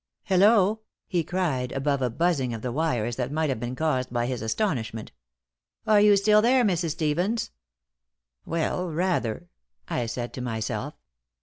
"Hello," he cried, above a buzzing of the wires that might have been caused by his astonishment. "Are you still there, Mrs. Stevens?" "Well, rather," I said to myself.